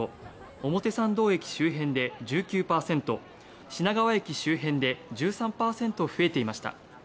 表参道駅周辺で１９％品川駅周辺で１３％増えていました。